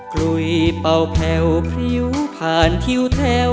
กลุยเป่าแผ่วพริ้วผ่านทิวแถว